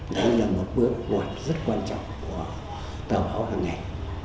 đó là một bước gọi rất quan trọng của tàu báo hàng ngày